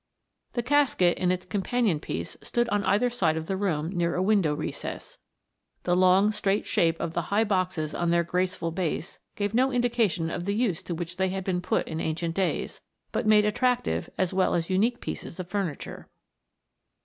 The casket and its companion piece stood on either side of the room near a window recess. The long straight shape of the high boxes on their graceful base gave no indication of the use to which they had been put in ancient days, but made attractive as well as unique pieces of furniture.